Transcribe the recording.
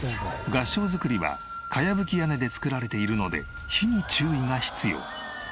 合掌造りは茅葺き屋根で造られているので火に注意が必要。